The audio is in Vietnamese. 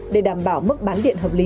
để đảm bảo mức bán điện hợp lý